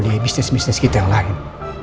di bisnis bisnis kita yang lain